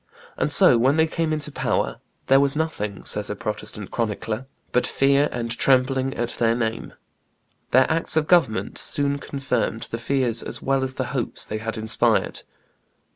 And so, when they came into power, "there was nothing," says a Protestant chronicler, "but fear and trembling at their name." Their acts of government soon confirmed the fears as well as the hopes they had inspired.